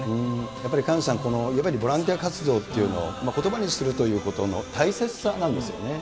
やっぱり萱野さん、ボランティア活動ということをことばにするということの大切さな